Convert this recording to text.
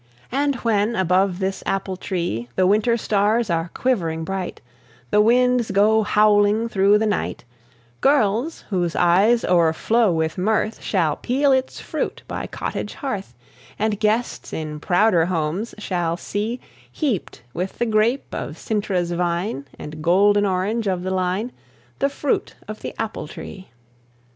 And when, above this apple tree, The winter stars are quivering bright, The winds go howling through the night, Girls, whose eyes o'erflow with mirth, Shall peel its fruit by cottage hearth, And guests in prouder homes shall see, Heaped with the grape of Cintra's vine, And golden orange of the line, The fruit of the apple tree.